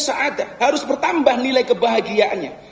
seada harus bertambah nilai kebahagiaannya